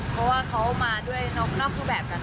เพราะว่าเขามาด้วยนอกนอกทุกแบบกันค่ะ